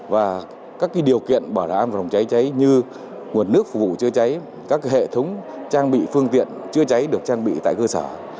và các điều kiện bảo đảm an toàn phòng cháy cháy như nguồn nước phục vụ chữa cháy các hệ thống trang bị phương tiện chữa cháy được trang bị tại cơ sở